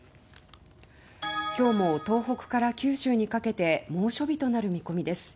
今日も東北から九州にかけて猛暑日となる見込みです。